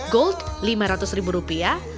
gold lima ratus ribu rupiah